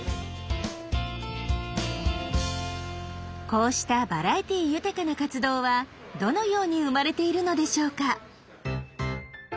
こうしたバラエティー豊かな活動はどのように生まれているのでしょうか？